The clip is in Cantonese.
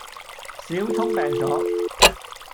小聰病咗